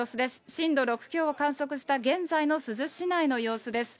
震度６強を観測した現在の珠洲市内の様子です。